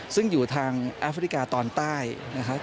ซึ่งอยู่ทางแอฟริกาตอนใต้นะครับ